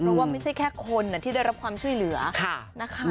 เพราะว่าไม่ใช่แค่คนที่ได้รับความช่วยเหลือนะคะ